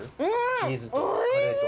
チーズとカレーと。